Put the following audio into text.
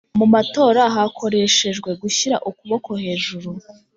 Mu matora hakoreshejwe gushyira ukuboko hejuru